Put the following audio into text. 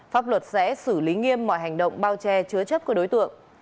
pháp luật sẽ xử lý nghiêm mọi hành động bao che chứa chấp của đối tượng